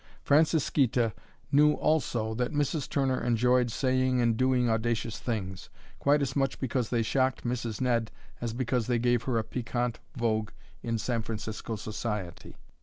Francisquita knew also that Mrs. Turner enjoyed saying and doing audacious things, quite as much because they shocked Mrs. Ned as because they gave her a piquant vogue in San Francisco society.